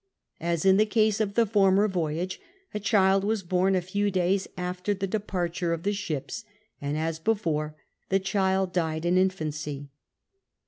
As in the case of the former voyage, a child was born a few days after the de{)arture of the ships ; and, as before, the child died in infancy.